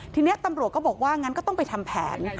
ทีนี้ตำรวจก็บอกว่างั้นก็ต้องไปทำแผน